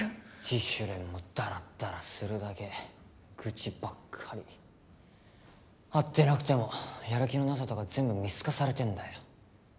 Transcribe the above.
自主練もだらっだらするだけ愚痴ばっかり会ってなくてもやる気のなさとか全部見透かされてんだよ